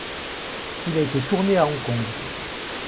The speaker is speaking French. Il a été tourné à Hong Kong.